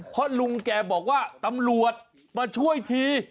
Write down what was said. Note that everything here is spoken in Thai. เพราะลุงแกบอกว่าตำรวจมาช่วยที